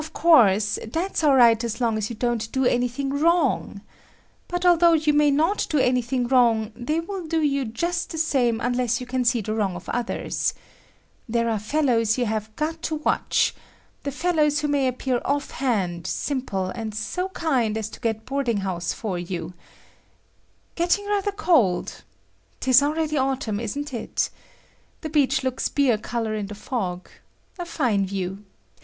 "Of course, that't all right as long as you don't do anything wrong. But although you may not do anything wrong, they will do you just the same unless you can see the wrong of others. There are fellows you have got to watch,—the fellows who may appear off hand, simple and so kind as to get boarding house for you…… Getting rather cold. 'Tis already autumn, isn't it. The beach looks beer color in the fog. A fine view.